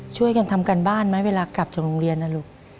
ช่วยกันทำการบ้านไหมเวลากลับจากโรงเรียนนะลูก